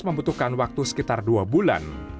membutuhkan waktu sekitar dua bulan